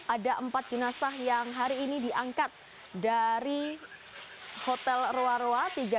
ada empat jenazah yang hari ini diangkat dari hotel roa roa